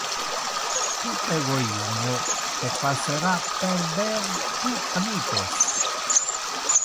Tu egoismo te facera perder tu amicos.